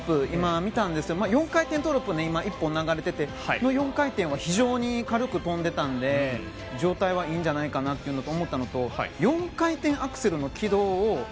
今、見たんですが４回転トウループ１本流れていてあの４回転は非常に軽く跳んでいたので状態はいいんじゃないかなと思ったのと４回転アクセルの軌道を。